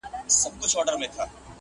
ویل زه که یو ځل ولاړمه ورکېږم!!